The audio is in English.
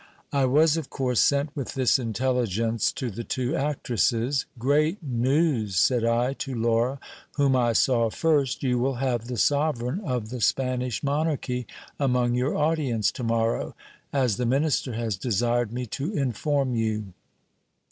I was of course sent with this intelligence to the two actresses. Great news ! said I to Laura, whom I saw first : you will have the sovereign of the Spanish monarchy among your audience to morrow, as the minister has desired me to inform you.